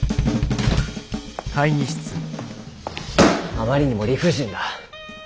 あまりにも理不尽だ。